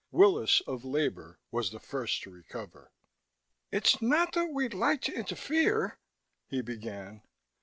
Willis, of Labor, was the first to recover. "It's not that we'd like to interfere " he began.